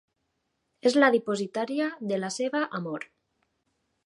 És la dipositària de la seva amor.